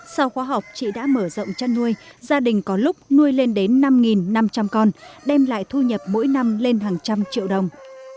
sau khóa học chị đã mở rộng chăn nuôi gia đình có lúc nuôi lên đến năm năm trăm linh con đem lại thu nhập mỗi năm lên hàng trăm triệu đồng